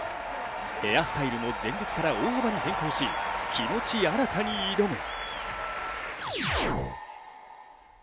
ヘアスタイルも前日から大幅に変更し、気持ち新たに挑む。